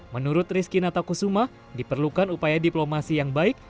menurut rizky natakusuma diperlukan upaya diplomasi yang baik